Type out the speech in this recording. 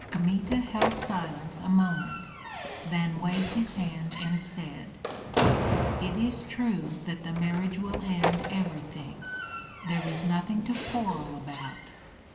Kmita held silence a moment, then waved his hand and said: "It is true that the marriage will end everything. There is nothing to quarrel about.